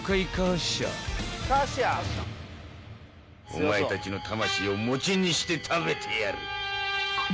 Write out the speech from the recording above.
「お前たちの魂を餅にして食べてやる」